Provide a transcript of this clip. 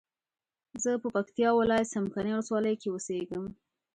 زه په پکتیا ولایت څمکنیو ولسوالۍ کی اوسیږم